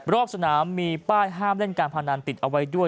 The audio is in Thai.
รอบสนามมีป้ายห้ามเล่นการพนันติดเอาไว้ด้วย